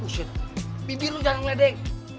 buset bibir lo jangan ngeledek